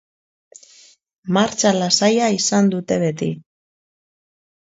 Martxa lasaia izan dute beti.